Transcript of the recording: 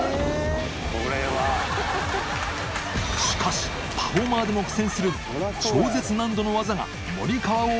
磴靴パフォーマーでも苦戦する超絶難度の技が浩